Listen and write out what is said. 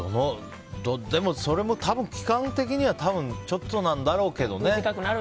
でも、それも期間的にはちょっとなんだろうけどね。